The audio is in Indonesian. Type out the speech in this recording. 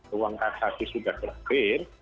ruang kasasi sudah berakhir